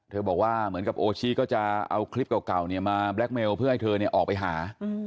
บอกว่าเหมือนกับโอชิก็จะเอาคลิปเก่ามาแบล็คเมลเพื่อให้เธอออกไปหา